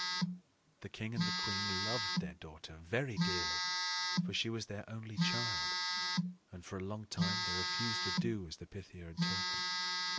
The king and the queen loved their daughter very dearly, for she was their only child; and for a long time they refused to do as the Pythia had told them.